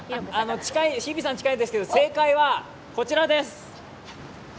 日比さん、近いですが、正解はこちらです。